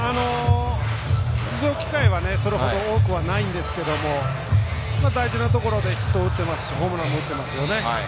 出場機会はそれほど多くはないんですけれども大事なところでヒットを打っていますしホームランも打ってますよね。